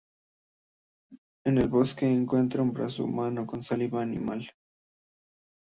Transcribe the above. En el bosque encuentra un brazo humano con saliva animal.